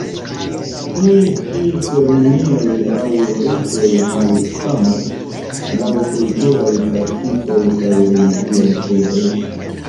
Tiuj ĉi ceremonioj aŭ ritoj malsamas laŭ kulturaj praktikoj kaj religiaj kredoj.